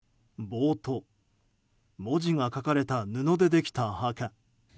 棒と文字が書かれた布でできた墓。